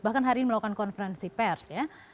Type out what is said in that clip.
bahkan hari ini melakukan konferensi pers ya